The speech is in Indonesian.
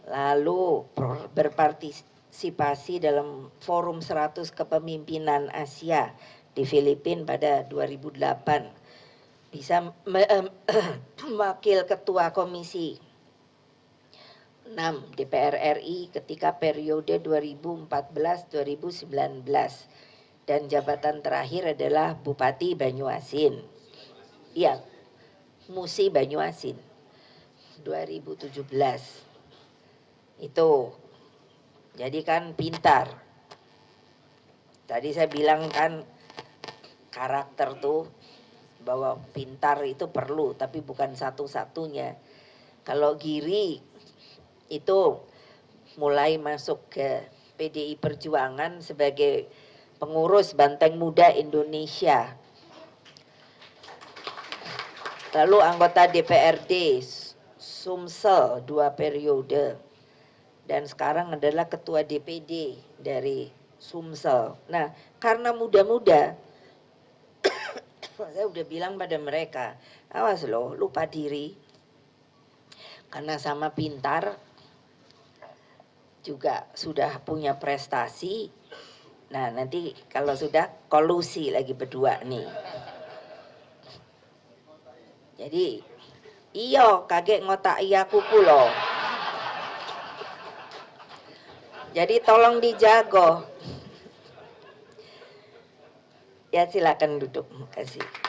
lalu berpartisipasi dalam forum seratus kepemimpinan asia di filipina pada dua ribu delapan